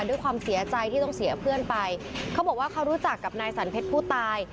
ด้วยความเสียใจที่ต้องเสียเพื่อนไปเขาบอกว่าเขารู้จักกับนายสันเพชรผู้ตาย